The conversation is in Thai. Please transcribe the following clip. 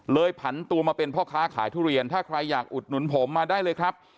ผันตัวมาเป็นพ่อค้าขายทุเรียนถ้าใครอยากอุดหนุนผมมาได้เลยครับ